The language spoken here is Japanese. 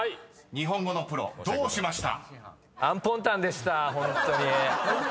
日本語のプロどうしました？］